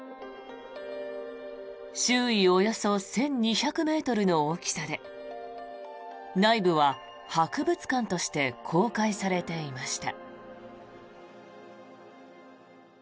周囲およそ１２００ｍの大きさで内部は博物館として公開されていました。